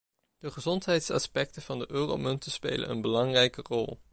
De gezondheidsaspecten van de euromunten spelen een belangrijke rol.